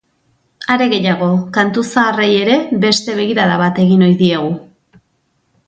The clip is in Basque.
Are gehiago, kantu zaharrei ere beste begirada bat egin ohi diegu.